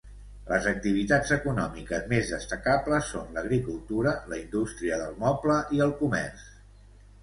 Les activitats econòmiques més destacables són l'agricultura, la indústria del moble i el comerç.